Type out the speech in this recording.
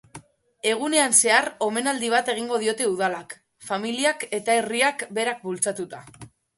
Egunean zehar omenaldi bat egingo diote udalak, familiak eta herriak berak bultzatuta.